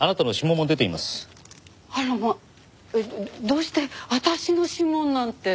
どうして私の指紋なんて？